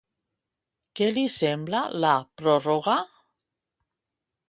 Què li sembla la pròrroga?